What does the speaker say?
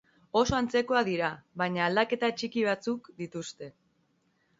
Oso antzerakoak dira baina aldaketa txiki batzuk dituzte.